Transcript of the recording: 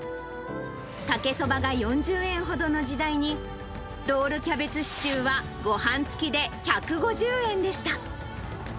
かけそばが４０円ほどの時代に、ロールキャベツシチューはごはん付きで１５０円でした。